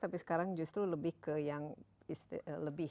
tapi sekarang justru lebih ke yang lebih